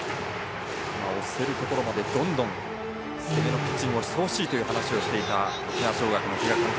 押せるところまでどんどん攻めのピッチングをしてほしいという話をしていた沖縄尚学の比嘉監督。